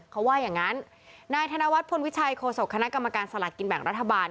เขาว่าอย่างนั้นนายธนวัฒนพลวิชัยโฆษกคณะกรรมการสลักกินแบ่งรัฐบาล